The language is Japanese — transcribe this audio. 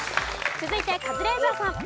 続いてカズレーザーさん。